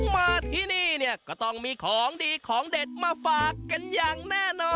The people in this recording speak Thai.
มาที่นี่เนี่ยก็ต้องมีของดีของเด็ดมาฝากกันอย่างแน่นอน